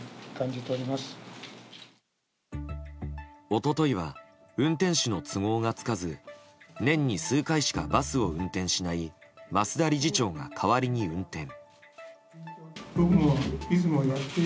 一昨日は運転手の都合がつかず年に数回しかバスを運転しない増田理事長が代わりに運転。